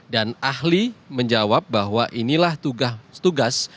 dan ahli menjawab bahwa inilah tugas